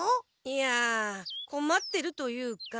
いやこまってるというか。